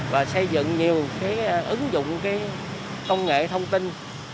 và xây dựng nhiều cái ứng dụng cái công nghệ thông tin